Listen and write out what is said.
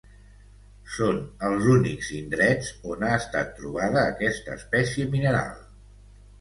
Són els únics indrets on ha estat trobada aquesta espècie mineral.